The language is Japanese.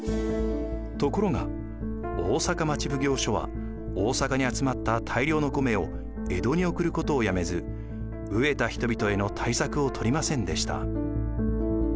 ところが大坂町奉行所は大坂に集まった大量の米を江戸に送ることをやめず飢えた人々への対策を取りませんでした。